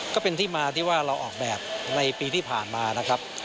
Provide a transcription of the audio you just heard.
ก็เป็นที่มาที่ว่าเราออกแบบในปีที่ผ่านมานะครับ